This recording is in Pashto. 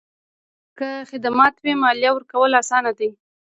که خدمات وي، مالیه ورکول اسانه دي؟